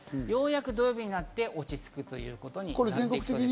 ようやく土曜日になって落ち着くということになります。